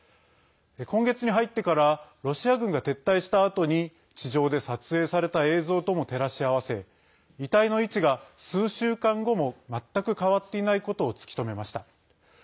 今月に入ってからロシア軍が撤退したあとに地上で撮影された映像とも照らし合わせ遺体の位置が、数週間後も全く変わっていないことを突き止めました。